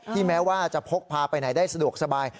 แม้ว่าจะพกพาไปไหนได้สะดวกสบาย